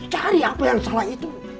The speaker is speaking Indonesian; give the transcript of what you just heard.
cari apa yang salah itu